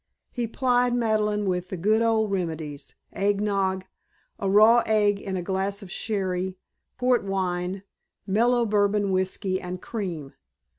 He plied Madeleine with the good old remedies: eggnog, a raw egg in a glass of sherry, port wine, mellow Bourbon whiskey and cream.